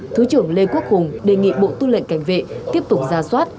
thứ trưởng lê quốc hùng đề nghị bộ tư lệnh cảnh vệ tiếp tục ra soát